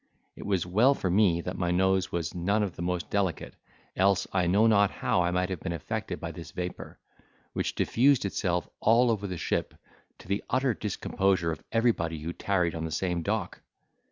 It was well for me that my nose was none of the most delicate, else I know not how I might have been affected by this vapour, which diffused itself all over the ship, to the utter discomposure of everybody who tarried on the same dock!